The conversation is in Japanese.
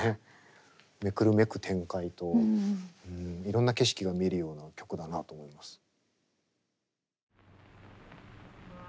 目くるめく展開といろんな景色が見えるような曲だなと思います。